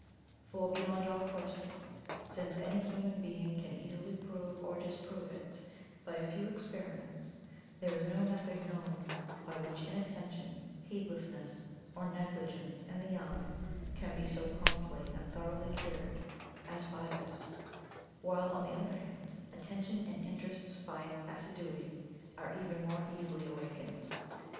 For, beyond all question since any human being can easily prove or disprove it by a few experiments there is no method known by which inattention, heedlessness, or negligence in the young can be so promptly and thoroughly cured as by this; while on the other hand, Attention and Interest by assiduity, are even more easily awakened.